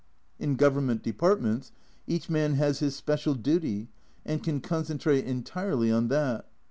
In Government Departments each man has his special duty, and can concentrate entirely on that.